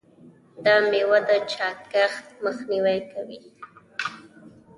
دا میوه د چاغښت مخنیوی کوي.